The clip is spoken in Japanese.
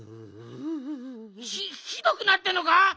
ひひどくなってるのか！？